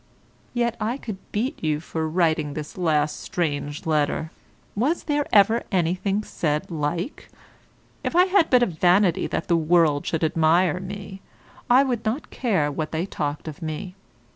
Yet I could beat you for writing this last strange letter; was there ever anything said like? If I had but a vanity that the world should admire me, I would not care what they talked of me.